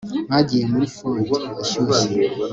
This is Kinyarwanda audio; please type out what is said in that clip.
bagiye muri ford ishyushye